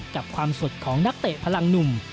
กับความสดของนักเตะพลังหนุ่ม